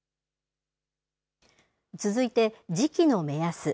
続いて時期の目安。